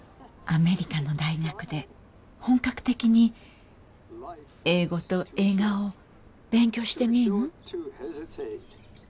アメリカの大学で本格的に英語と映画を勉強してみん？